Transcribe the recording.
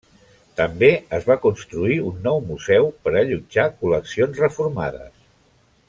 També es va construir un nou museu per allotjar col·leccions reformades.